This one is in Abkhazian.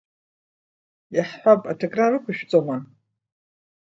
Иаҳҳәап аҭакра рықәшәҵома?